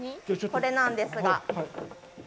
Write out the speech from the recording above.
これなんですが。